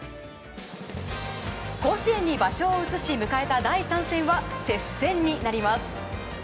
甲子園に場所を移し迎えた第３戦は接戦になります。